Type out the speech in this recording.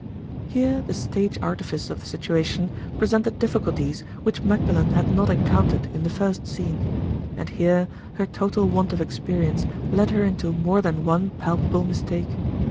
Here the stage artifice of the situation presented difficulties which Magdalen had not encountered in the first scene—and here, her total want of experience led her into more than one palpable mistake.